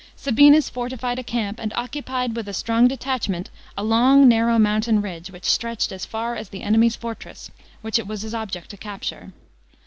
Sabinus fortified a camp and occupied, with a strong detachment, a long narrow mountain ridge, which stretched as far as the enemies' fortress, which it was his object to capture.